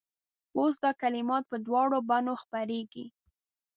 اوس دا کلمات په دواړو بڼو خپرېږي.